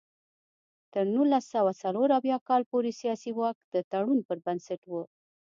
تر نولس سوه څلور اویا کال پورې سیاسي واک د تړون پر بنسټ و.